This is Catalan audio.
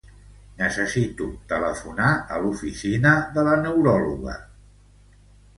Necessito telefonar a l'oficina de la neuròloga.